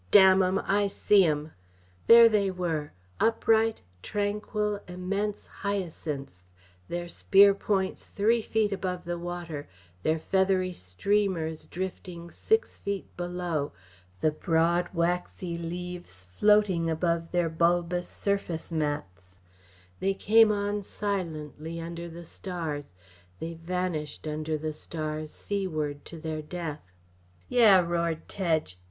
"Damn 'em I see 'em!" There they were, upright, tranquil, immense hyacinths their spear points three feet above the water, their feathery streamers drifting six feet below; the broad, waxy leaves floating above their bulbous surface mats they came on silently under the stars; they vanished under the stars seaward to their death. "Yeh!" roared Tedge.